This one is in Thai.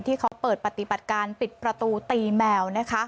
ที่เขาเปิดปฏิบัติการปิดประตูตีแมว